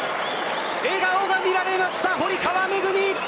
笑顔が見られました、堀川恵。